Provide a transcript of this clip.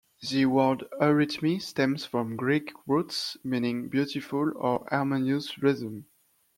The word "eurythmy" stems from Greek roots meaning "beautiful" or "harmonious rhythm".